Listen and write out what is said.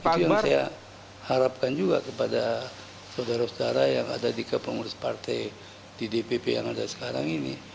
itu yang saya harapkan juga kepada saudara saudara yang ada di kepengurus partai di dpp yang ada sekarang ini